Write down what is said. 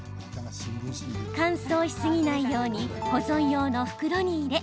乾燥し過ぎないように保存用の袋に入れ